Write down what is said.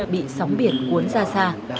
bị sóng biển cuốn ra xa